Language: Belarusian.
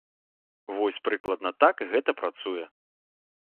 Вось прыкладна так гэта працуе.